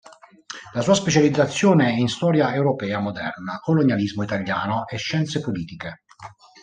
La sua specializzazione è in Storia europea moderna, Colonialismo italiano e scienze politiche.